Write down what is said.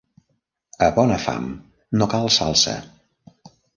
A bona fam no cal salsa